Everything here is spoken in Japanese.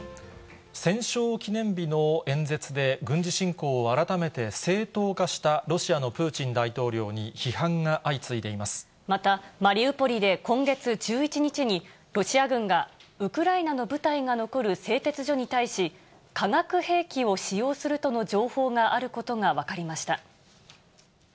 戦勝記念日の演説で、軍事侵攻を改めて正当化したロシアのプーチン大統領に批判が相次また、マリウポリで今月１１日に、ロシア軍がウクライナの部隊が残る製鉄所に対し、化学兵器を使用するとの情報があることが分かりました。